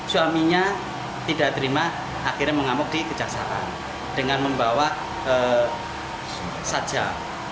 suaminya tidak terima akhirnya mengamuk di kejaksaan dengan membawa saja